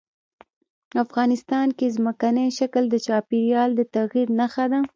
افغانستان کې ځمکنی شکل د چاپېریال د تغیر نښه ده.